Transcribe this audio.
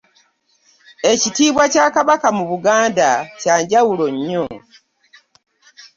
Ekitiibwa kya Kabaka mu Buganda kya njawulo nnyo.